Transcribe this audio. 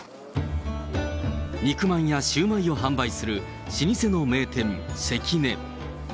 肉まんやシュウマイを販売する老舗の名店、セキネ。